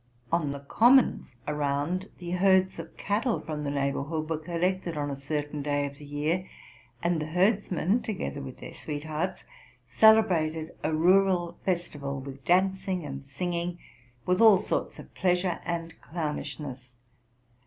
On the commons around, the herds of cattle from the neighborhood were collected on a certain day of the year; and the herdsmen, together with their sweet hearts, celebrated a rural festiv al with dancing and singing, with all sorts of pleasure and clownishness.